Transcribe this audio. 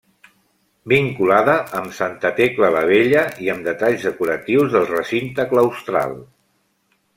Vinculada amb Santa Tecla la Vella i amb detalls decoratius del recinte claustral.